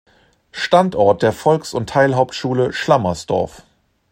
Standort der Volks- und Teilhauptschule Schlammersdorf.